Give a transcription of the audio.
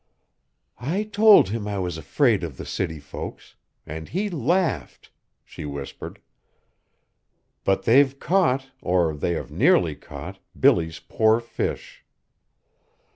"I told him I was afraid of the city folks; and he laughed!" she whispered, "but they've caught, or they have nearly caught, Billy's poor fish!"